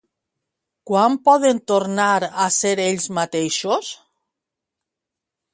Quan poden tornar a ser ells mateixos?